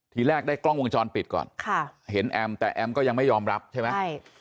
ทีแรกได้กล้องวงจรปิดก่อนค่ะเห็นแอมแต่แอมก็ยังไม่ยอมรับใช่ไหมใช่